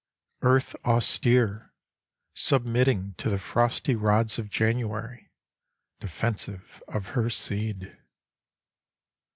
Earth austere, submitting to the frosty rods Of January, defensive of her seed.